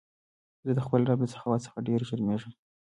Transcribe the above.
زه د خپل رب له سخاوت څخه ډېر شرمېږم.